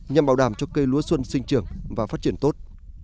nhằm bảo đảm cho cây lúa xuân sinh trưởng và phát triển tốt